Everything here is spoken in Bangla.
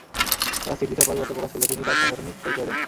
তাঁরা সিট দিতে অপারগতা প্রকাশ করলে তিনি তাঁর সাংগঠনিক পরিচয় দেন।